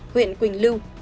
huyện quỳnh lưu